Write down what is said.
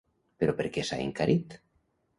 Però per què s’ha encarit?